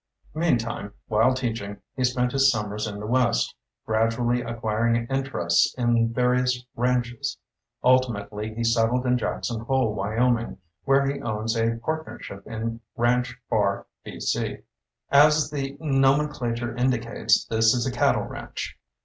Meantime, while teaching, he spent his summers in the west, gradually ac quiring interests in various ranches. Ultimately, he settled in Jackson Hole, Wyoming, where he owns a partner ship in Ranch Bar B. C. As the no menclature indicates, this is a cattle ranch.